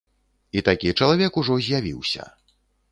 І такі чалавек ужо з'явіўся.